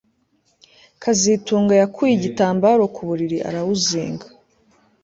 kazitunga yakuye igitambaro ku buriri arawuzinga